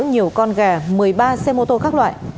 nhiều con gà một mươi ba xe mô tô các loại